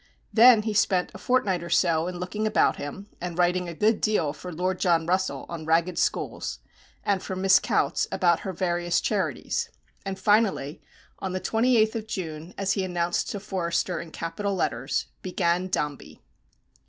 Then he spent a fortnight or so in looking about him, and writing a good deal for Lord John Russell on Ragged Schools, and for Miss Coutts about her various charities; and finally, on the 28th of June, as he announced to Forster in capital letters, BEGAN DOMBEY.